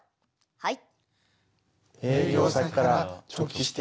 はい。